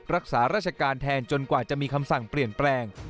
รักษาราชการแทนจนกว่าจะมีคำสั่งเปลี่ยนแปลง